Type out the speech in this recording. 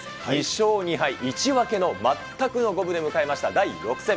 ２勝２敗１分けの全くの五分で迎えた第６戦。